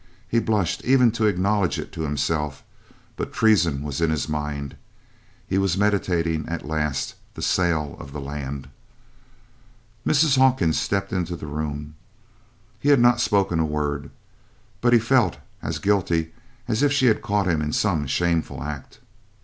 He blushed even to acknowledge it to himself, but treason was in his mind he was meditating, at last, the sale of the land. Mrs. Hawkins stepped into the room. He had not spoken a word, but he felt as guilty as if she had caught him in some shameful act.